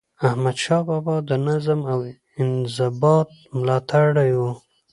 احمدشاه بابا د نظم او انضباط ملاتړی و.